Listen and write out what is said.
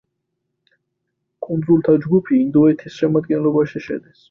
კუნძულთა ჯგუფი ინდოეთის შემადგენლობაში შედის.